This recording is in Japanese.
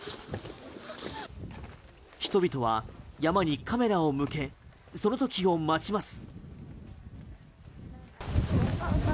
人々は山にカメラを向けその時を待ちます。